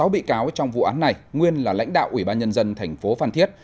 sáu bị cáo trong vụ án này nguyên là lãnh đạo ủy ban nhân dân thành phố phan thiết